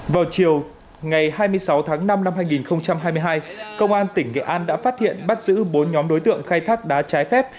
vào chiều ngày hai mươi sáu tháng năm năm hai nghìn hai mươi hai công an tỉnh nghệ an đã phát hiện bắt giữ bốn nhóm đối tượng khai thác đá trái phép